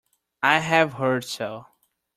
I have heard so.